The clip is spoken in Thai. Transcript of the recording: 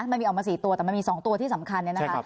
แต่มันมี๒ตัวที่สำคัญนะครับ